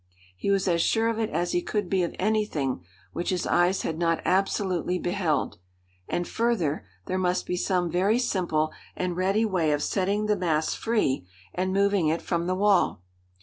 He was as sure of it as he could be of anything which his eyes had not absolutely beheld. And further, there must be some very simple and ready way of setting the mass free, and moving it from the wall.